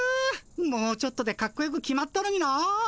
もうちょっとでカッコよく決まったのにな。